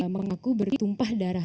mengaku bertumpah darah